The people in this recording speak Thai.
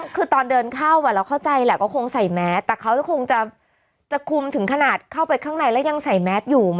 คือตอนเดินเข้าเราเข้าใจแหละก็คงใส่แมสแต่เขาจะคงจะคุมถึงขนาดเข้าไปข้างในแล้วยังใส่แมสอยู่